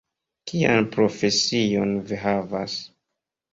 Kian profesion vi havas?